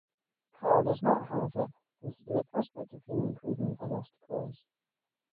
Carr does not, however, consider the prospect of human improvement a lost cause.